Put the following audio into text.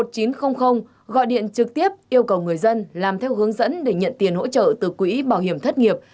cộng bốn trăm tám mươi bốn một nghìn chín trăm linh gọi điện trực tiếp yêu cầu người dân làm theo hướng dẫn để nhận tiền hỗ trợ từ quỹ bảo hiểm thất nghiệp